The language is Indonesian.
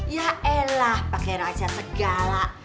ya elah pakai rojat segala